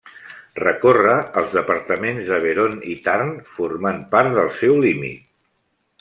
Recorre els departaments d'Avairon i Tarn, formant part del seu límit.